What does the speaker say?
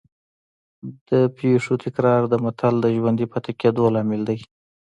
د پېښو تکرار د متل د ژوندي پاتې کېدو لامل دی